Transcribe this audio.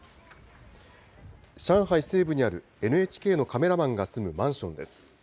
上海西部にある、ＮＨＫのカメラマンが住むマンションです。